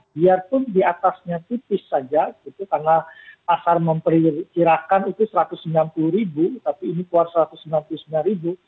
biarpun diatasnya tipis saja gitu karena pasar memperkirakan itu satu ratus sembilan puluh ribu tapi ini keluar satu ratus sembilan puluh sembilan ribu